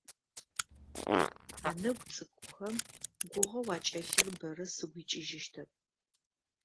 Анэгу цӏыкӏухэм гугъэу акӏэлъыр бэрэ сыгу икӏыжьыщтэп.